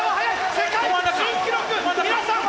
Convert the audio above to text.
世界新記録皆さん